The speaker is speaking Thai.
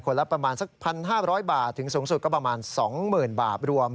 ละประมาณสัก๑๕๐๐บาทถึงสูงสุดก็ประมาณ๒๐๐๐บาทรวม